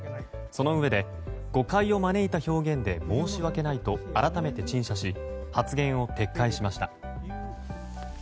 そのうえで誤解を招いた表現で申し訳ないと改めて陳謝し発言を撤回しました。